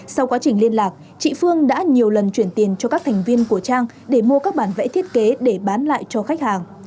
sau quá trình liên lạc chị phương đã nhiều lần chuyển tiền cho các thành viên của trang để mua các bản vẽ thiết kế để bán lại cho khách hàng